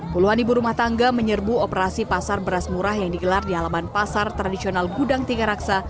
puluhan ibu rumah tangga menyerbu operasi pasar beras murah yang digelar di halaman pasar tradisional gudang tiga raksa